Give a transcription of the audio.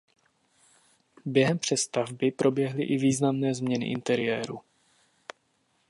Během přestavby proběhly i významné změny interiéru.